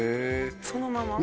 そのまま？